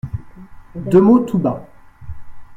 Deux mots tout bas.